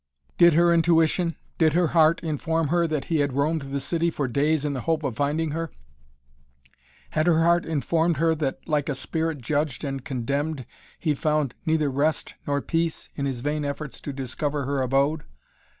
Did her intuition, did her heart inform her that he had roamed the city for days in the hope of finding her? Had her heart informed her that, like a spirit judged and condemned, he found neither rest nor peace in his vain endeavors to discover her abode?